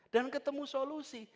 dan ketemu solusi